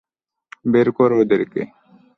বের করো ওদেরকে!